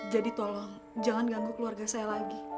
jadi tolong jangan ganggu keluarga saya lagi